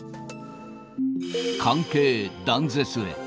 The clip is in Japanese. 関係断絶へ。